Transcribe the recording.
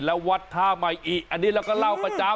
แล้ววัดท่าใหม่อีกอันนี้เราก็เล่าประจำ